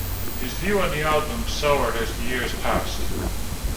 His view on the album soured as the years passed.